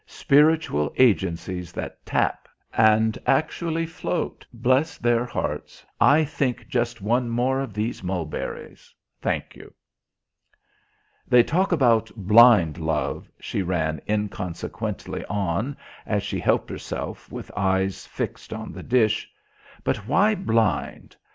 Spiritual agencies that tap, and actually float, bless their hearts! I think just one more of those mulberries thank you. "They talk about 'blind Love,'" she ran inconsequently on as she helped herself, with eyes fixed on the dish, "but why blind?